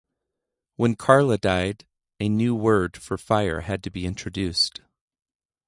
When Karla died, a new word for fire had to be introduced.